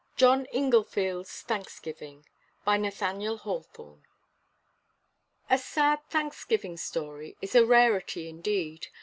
JOHN INGLEFIELD'S THANKSGIVING BY NATHANIEL HAWTHORNE. A sad Thanksgiving story is a rarity indeed.